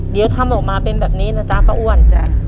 เดี๋ยวทำออกมาเป็นแบบนี้นะจ๊ะป้าอ้วนจ้ะ